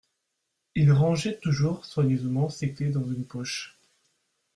Il rangeait toujours soigneusement ses clefs dans une poche